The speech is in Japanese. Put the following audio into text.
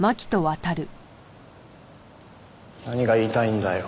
何が言いたいんだよ。